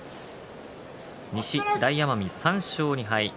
西、大奄美、３勝２敗。